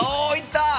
おいった！